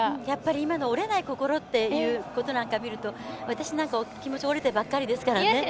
今の折れない心っていうことばを見ると私なんか、気持ちが折れてばっかりですから。